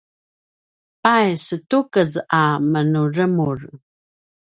sa setukez a menuremur